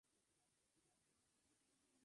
Terminó en el segundo lugar.